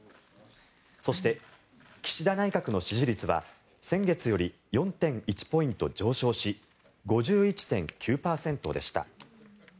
そして岸田内閣の支持率は先月より４．１ポイント上昇し５１．９％でした。